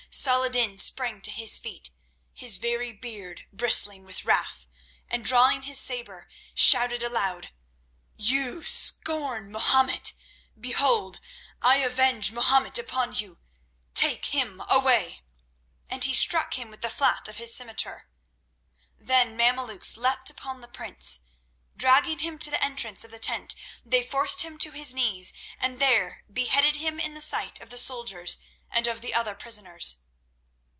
Saladin sprang to his feet, his very beard bristling with wrath, and drawing his sabre, shouted aloud: "You scorn Mahomet! Behold! I avenge Mahomet upon you! Take him away!" And he struck him with the flat of his scimitar. Then Mameluks leapt upon the prince. Dragging him to the entrance of the tent, they forced him to his knees and there beheaded him in sight of the soldiers and of the other prisoners.